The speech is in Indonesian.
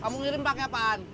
kamu ngirim pake apaan